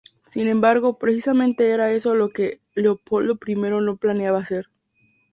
Sin embargo, precisamente era eso lo que Leopoldo I no planeaba hacer.